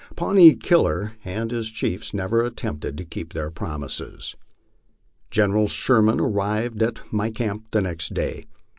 Pawnee Killer and his chiefs never attempted to keep their promises. General Sherman arrived at my camp next day.